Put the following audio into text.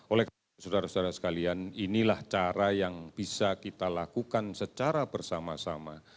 oleh saudara saudara sekalian inilah cara yang bisa kita lakukan secara bersama sama